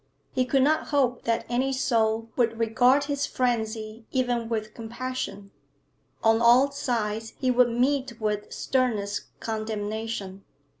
He could not hope that any soul would regard his frenzy even with compassion; on all sides he would meet with the sternest condemnation.